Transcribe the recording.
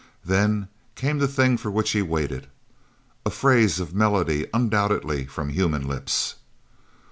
Then came the thing for which he waited, a phrase of melody undoubtedly from human lips.